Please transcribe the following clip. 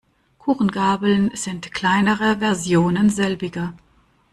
Kuchengabeln sind kleinere Versionen selbiger.